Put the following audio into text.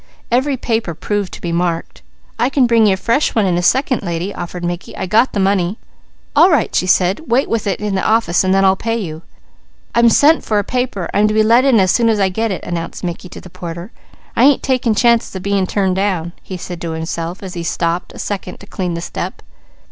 Every paper proved to be marked. "I can bring you a fresh one in a second, lady," offered Mickey. "I got the money." "All right," she said. "Wait with it in the office and then I'll pay you." "I'm sent for a paper. I'm to be let in as soon as I get it," announced Mickey to the porter. "I ain't taking chances of being turned down," he said to himself, as he stopped a second to clean the step.